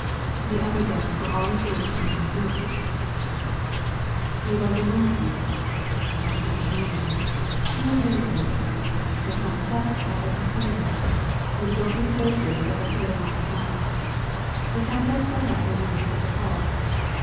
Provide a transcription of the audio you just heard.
The other guests were all engaged in little groups :" Les Razoumovsky," —" That was charming," —" You are very good," —" La Comtesse Apnik sine," were the broken phrases that were heard on all sides. The countess got up and went into the hall.